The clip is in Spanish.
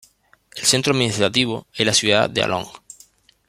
El centro administrativo es la ciudad de Along.